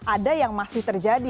ada yang masih terjadi